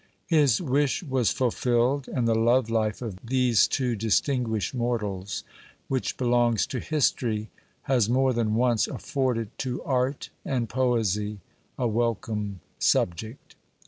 His wish was fulfilled, and the love life of these two distinguished mortals, which belongs to history, has more than once afforded to art and poesy a welcome subject.